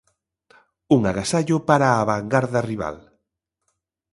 Un agasallo para a vangarda rival.